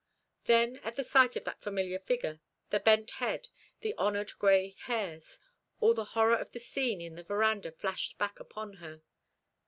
Then at the sight of that familiar figure, the bent head, the honoured gray hairs, all the horror of the scene in the verandah flashed back upon her.